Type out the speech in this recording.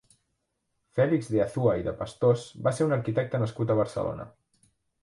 Fèlix de Azúa i de Pastors va ser un arquitecte nascut a Barcelona.